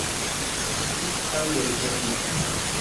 Janikwa tankwarhixati.